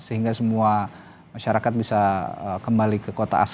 sehingga semua masyarakat bisa kembali ke kota asal